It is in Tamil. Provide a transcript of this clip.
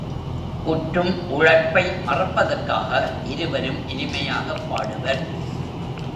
குற்றும் உழைப்பை மறப்பதற்காக இருவரும் இனிமையாகப் பாடுவர்.